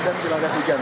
dan jelajah hujan